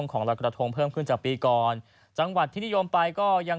ก็คงไหวเพื่อนที่มา